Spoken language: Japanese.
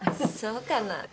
そうかな。